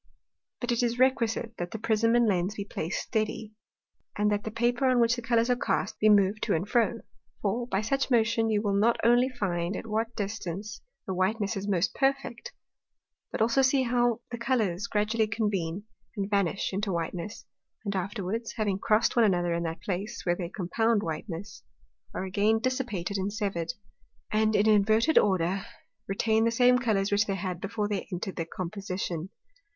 But it is requisite, that the Prism and Lens be placed steady, and that the Paper, on which the Colours are cast, be moved to and fro; for, by such motion, you will not only find at what distance the whiteness is most perfect, but also see how the Colours gradually convene, and vanish into whiteness; and afterwards, having crossed one another in that place where they compound whiteness, are again dissipated and severed, and in an inverted order retain the same Colours, which they had before they entred the Composition.